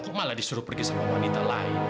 kok malah disuruh pergi sama wanita lain